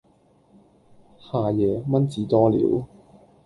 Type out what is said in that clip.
夏夜，蚊子多了，